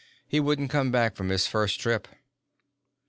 He wouldn't come back from his first trip."